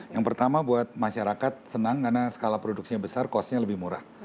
yang pertama buat masyarakat senang karena skala produksinya besar costnya lebih murah